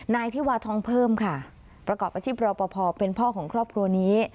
นายธิวาทองเพิ่มค่ะประกอบอาชีพรอปภเป็นพ่อของครอบครัวนี้